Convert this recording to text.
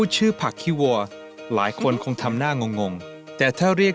ใช้เวลานานเท่าไร